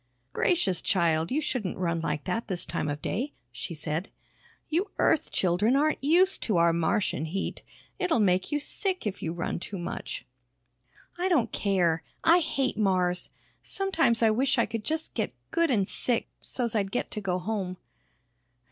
"Gracious, child, you shouldn't run like that this time of day," she said. "You Earth children aren't used to our Martian heat. It'll make you sick if you run too much." "I don't care! I hate Mars! Sometimes I wish I could just get good an' sick, so's I'd get to go home!"